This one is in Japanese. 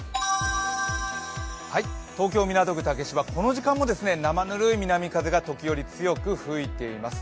東京・港区竹芝はこの時間も生ぬるい風が時折、強く吹いています。